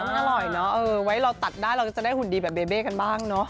มันอร่อยเนอะไว้เราตัดได้เราจะได้หุ่นดีแบบเบเบ้กันบ้างเนอะ